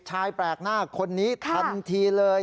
ชายแปลกหน้าคนนี้ทันทีเลย